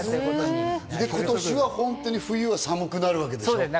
で、今年は本当に冬は寒くなるわけでしょ？